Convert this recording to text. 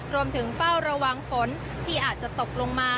เฝ้าระวังฝนที่อาจจะตกลงมา